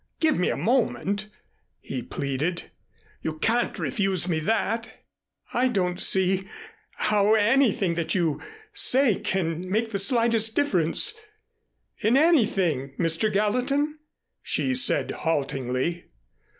Give me a moment," he pleaded. "You can't refuse me that." "I don't see how anything that you say can make the slightest difference in anything, Mr. Gallatin," she said haltingly.